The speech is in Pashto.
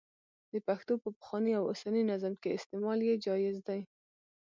د پښتو په پخواني او اوسني نظم کې استعمال یې جائز دی.